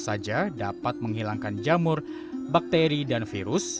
tapi kalau tidak ada penyakit kulit yang bisa menghilangkan jamur bakteri dan virus